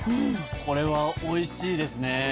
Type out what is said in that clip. これはおいしいですね。